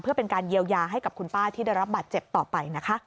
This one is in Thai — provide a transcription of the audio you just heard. เพื่อเป็นการเยียวยาให้กับคุณป้าที่ได้รับบาดเจ็บต่อไปนะคะ